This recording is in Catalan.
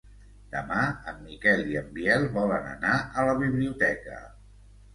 Demà en Miquel i en Biel volen anar a la biblioteca.